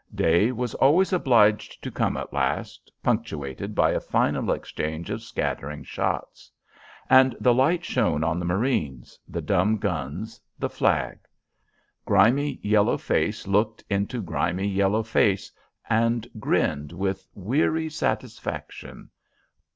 Day was always obliged to come at last, punctuated by a final exchange of scattering shots. And the light shone on the marines, the dumb guns, the flag. Grimy yellow face looked into grimy yellow face, and grinned with weary satisfaction.